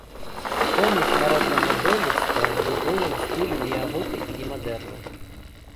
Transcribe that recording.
Помнік народнага дойлідства з уплывам стылю неаготыкі і мадэрну.